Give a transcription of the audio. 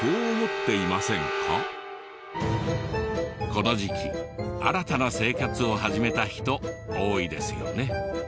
この時期新たな生活を始めた人多いですよね。